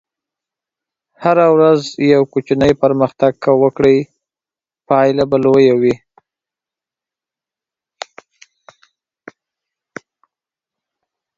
هره ورځ یو کوچنی پرمختګ که وکړې، پایله به لویه وي.